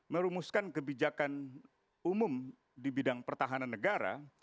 merumuskan kebijakan umum di bidang pertahanan negara